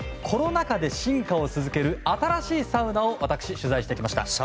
コロナ禍で進化を続ける新しいサウナを私、取材してきました。